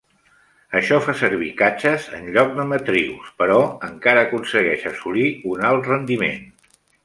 Això fa servir catxés en lloc de matrius, però encara aconsegueix assolir un alt rendiment.